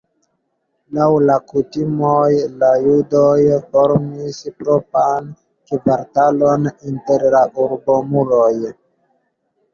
Laŭ la kutimoj la judoj formis propran kvartalon inter la urbomuroj.